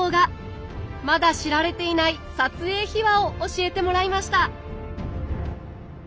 まだ知られていない撮影秘話を教えてもらいました